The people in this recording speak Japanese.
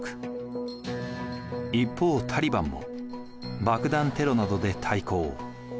一方タリバンも爆弾テロなどで対抗。